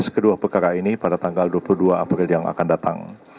kedua perkara ini pada tanggal dua puluh dua april yang akan datang